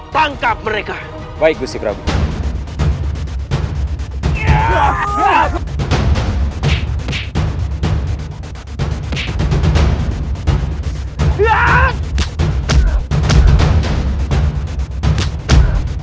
jangan lagi membuat onar di sini